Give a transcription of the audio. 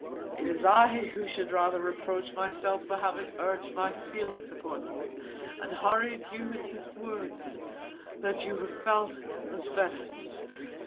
It is I who should rather reproach myself for having urged my feelings upon you, and hurried you into words that you have felt as fetters.